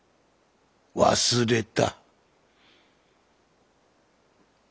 忘れた。